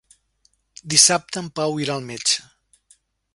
Dissabte en Pau irà al metge.